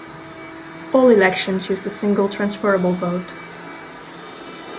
All elections use the single transferable vote.